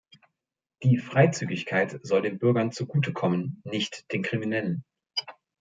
Die Freizügigkeit soll den Bürgern zugute kommen, nicht den Kriminellen.